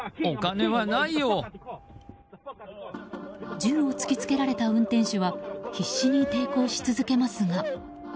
銃を突きつけられた運転手は必死に抵抗し続けますが。